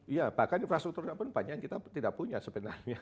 iya bahkan infrastrukturnya pun banyak yang kita tidak punya sebenarnya